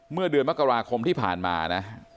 เมื่อเดือนมกราคมที่ผ่านมานะ